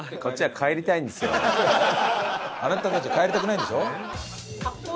あなたたちは帰りたくないんでしょ？